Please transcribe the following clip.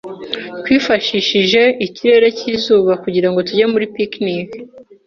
Twifashishije ikirere cyizuba kugirango tujye muri picnic.